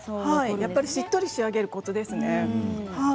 しっとり仕上げるコツですね。